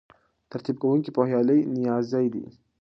ترتیب کوونکی پوهیالی نیازی دی.